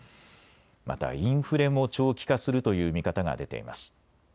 またインフレも長期化するという見方が出ています。